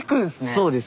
そうです。